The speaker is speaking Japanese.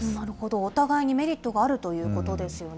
お互いにメリットがあるということですよね。